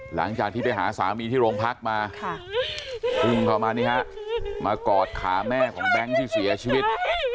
หลังจากที่ไปหาสามีที่โรงพักมาคือมากอดขาแม่ของแม่ที่เสียชีวิต